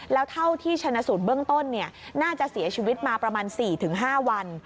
แล้วเท่าที่ชนะสูตรเบื้องต้นน่าจะเสียชีวิตมาประมาณ๔๕วัน